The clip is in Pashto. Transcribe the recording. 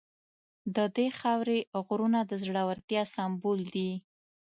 د دې خاورې غرونه د زړورتیا سمبول دي.